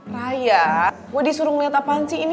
raya gue disuruh ngeliat apaan sih ini